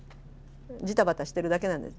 ジタバタしてるだけなんです。